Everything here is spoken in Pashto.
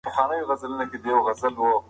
مرغۍ د عدالت په لیدلو سره ډېره زیاته ارامه شوه.